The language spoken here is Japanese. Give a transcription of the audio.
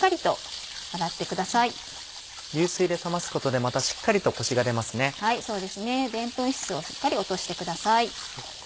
でんぷん質をしっかり落としてください。